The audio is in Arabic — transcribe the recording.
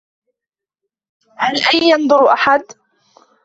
هل أى ينظر أحد ؟